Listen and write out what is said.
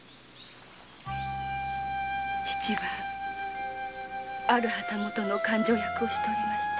父はある旗本の勘定役をしておりました。